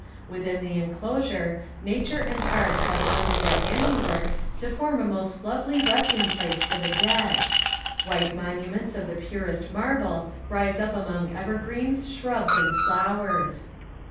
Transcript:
Within the enclosure, nature and art have blended their handiwork to form a most lovely resting place for the dead. White monuments of the purest marble rise up among evergreens, shrubs, and flowers